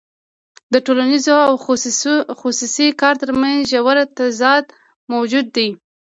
د ټولنیز او خصوصي کار ترمنځ ژور تضاد موجود دی